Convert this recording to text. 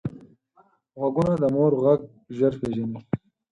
غوږونه د مور غږ ژر پېژني